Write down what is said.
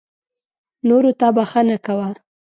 نورو ته بښنه کوه .